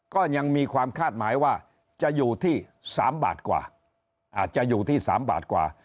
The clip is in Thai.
ก็ยังมีความคาดหมายว่าจะอยู่ที่๓บาทกว่าอาจจะอยู่ที่๓บาทกว่า